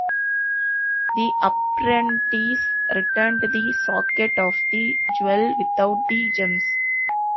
The apprentice returned the socket of the jewel without the gems.